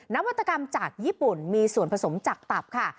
นวัตกรรมจากญี่ปุ่นมีส่วนผสมจากตับค่ะ